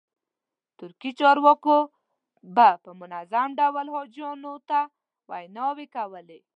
ترکي چارواکو به په منظم ډول حاجیانو ته ویناوې کولې.